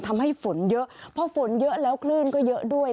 ทำให้ฝนเยอะเพราะฝนเยอะแล้วคลื่นก็เยอะด้วย